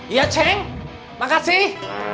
iya ceng makasih